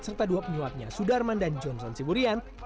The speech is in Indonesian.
serta dua penyuapnya sudarman dan johnson siburian